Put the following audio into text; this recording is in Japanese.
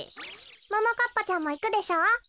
ももかっぱちゃんもいくでしょ？